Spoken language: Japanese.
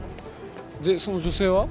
でその女性は？